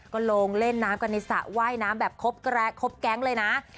ก็ลงเล่นน้ำกันในสระว่ายน้ำแบบครบแก๊งเลยนะ